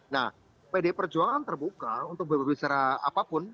nah pdi perjuangan terbuka untuk berbicara apapun